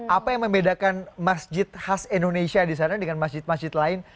apa yang membedakan masjid khas indonesia di sana dengan masjid masjid lain